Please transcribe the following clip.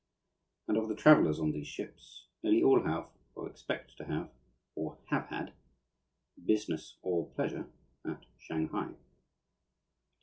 And of the travellers on these ships nearly all have, or expect to have, or have had, business or pleasure at Shanghai.